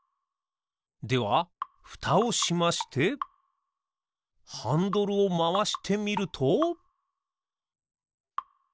ではふたをしましてハンドルをまわしてみると。